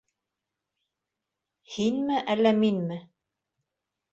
Һинме, әллә минме?